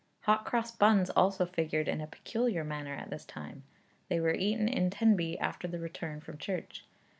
Hot cross buns also figured in a peculiar manner at this time. They were eaten in Tenby after the return from church.